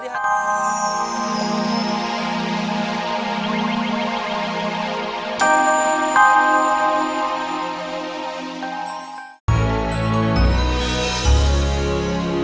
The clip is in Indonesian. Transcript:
di hati kita